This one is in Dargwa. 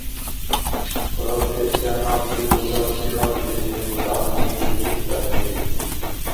Профессионалти-ургабси абзлизир бутӀакьяндеш мурт дарри?